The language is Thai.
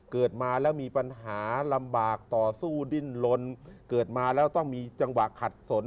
เกิดมาแล้วมีปัญหาลำบากต่อสู้ดิ้นลนเกิดมาแล้วต้องมีจังหวะขัดสน